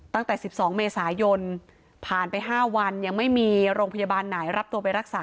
ตั้งแต่๑๒เมษายนผ่านไป๕วันยังไม่มีโรงพยาบาลไหนรับตัวไปรักษา